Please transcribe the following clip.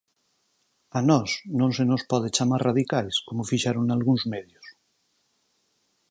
A nós non se nos pode chamar radicais como fixeron nalgúns medios.